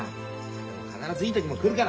必ずいい時も来るから。